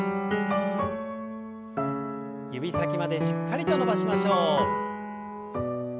指先までしっかりと伸ばしましょう。